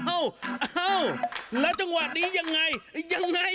เอ้าแล้วจังหวะนี้ยังไงยังไง